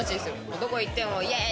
どこ行ってもイェーイ！